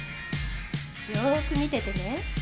よく見ててね。